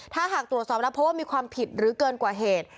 ถ้าหากตรวจสอบแล้วเพราะว่ามีความผิดหรือเกินกว่าเหตุ